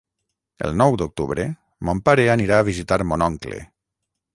El nou d'octubre mon pare anirà a visitar mon oncle.